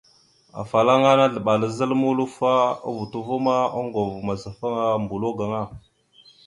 Afalaŋa aslaɓal a zal mulofa o voto ava ma, oŋgov mazafaŋa mbolo gaŋa.